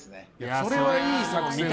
それはいい作戦だ。